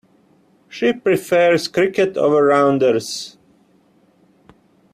She prefers cricket over rounders.